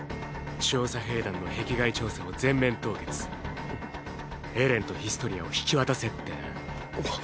調査兵団の壁外調査を全面凍結エレンとヒストリアを引き渡せってな。